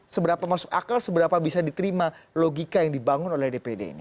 seberapa masuk akal seberapa bisa diterima logika yang dibangun oleh dpd ini